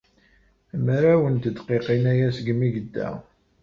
Mraw n tedqiqin aya segmi ay yedda.